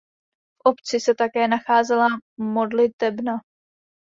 V obci se také nacházela modlitebna.